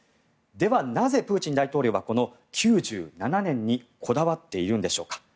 では、なぜプーチン大統領はこの９７年にこだわっているんでしょうか。